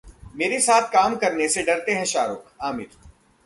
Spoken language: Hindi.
मेरे साथ काम करने से डरते हैं शाहरुख: आमिर